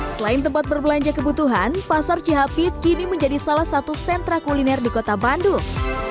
selain tempat berbelanja kebutuhan pasar cihapit kini menjadi salah satu sentra kuliner di kota bandung